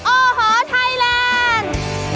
โอ้โหไทยแลนด์